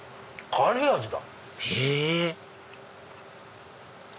カレー味だ。